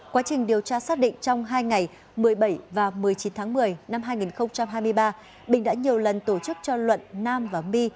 quá trình điều tra xác định trong hai ngày một mươi bảy và một mươi chín tháng một mươi năm hai nghìn hai mươi ba bình đã nhiều lần tổ chức cho luận nam và my